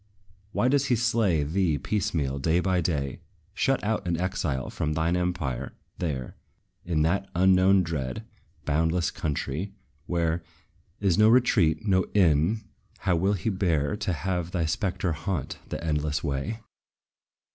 Why does he slay thee piecemeal, day by day? Shut out in exile from thine empire, there, In that unknown, dread, boundless country, where Is no retreat, no inn, how will he bear To have thy spectre haunt the endless way?